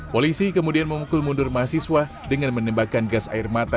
polisi kemudian memukul mundur mahasiswa dengan menembakkan gas air mata